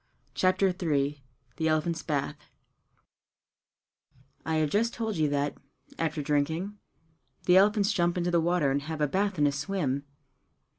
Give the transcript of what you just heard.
CHAPTER III The Elephants' Bath I have just told you that, after drinking, the elephants jump into the water and have a bath and a swim.